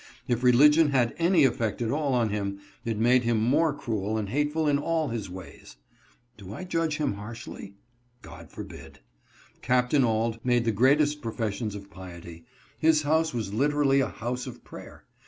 If religion had any effect at all on him, it made him more cruel and hateful in all his ways. Do I judge him harshly ? God forbid. Capt. Auld made the greatest professions of piety. His house was literally a house of prayer.